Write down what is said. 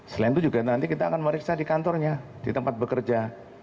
selain itu juga nanti kita akan meriksa di kantornya di tempat bekerja